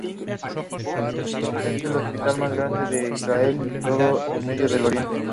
Asimiló el estilo de Taddeo Zuccaro y desarrolló rasgos personales.